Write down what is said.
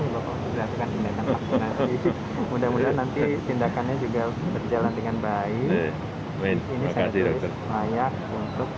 mudah mudahan nanti tindakannya juga berjalan dengan baik